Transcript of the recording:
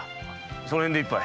その辺で一杯。